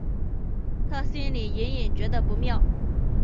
她心里隐隐觉得不妙